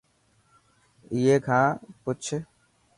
ائي کان پڇ.